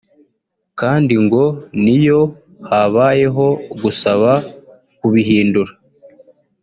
kandi ngo n’iyo habayeho gusaba kubihindura